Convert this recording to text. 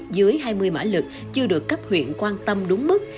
dưới hai mươi mã lực chưa được cấp huyện quan tâm đúng mức